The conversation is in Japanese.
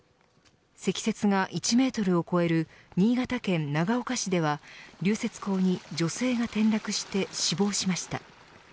積雪が１メートルを超える新潟県の長岡市では流雪溝に女性が転落して死亡しました。